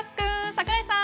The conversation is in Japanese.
櫻井さん！